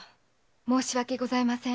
申し訳ございません。